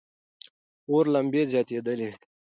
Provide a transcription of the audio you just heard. اور لمبې زیاتېدلې وې.